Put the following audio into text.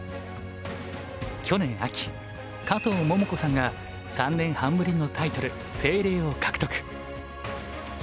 去年秋加藤桃子さんが３年半ぶりのタイトル清麗を獲得。